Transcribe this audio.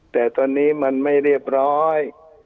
แต่ตอนนี้มันไม่เรียบร้อย